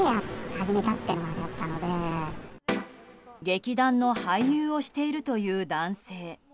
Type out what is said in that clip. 劇団の俳優をしているという男性。